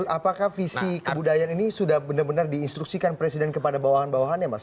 apakah visi kebudayaan ini sudah benar benar diinstruksikan presiden kepada bawahan bawahannya mas